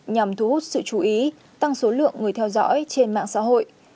nhằm thu hút sự chú ý tăng số lượng người theo dõi trên mạng xã hội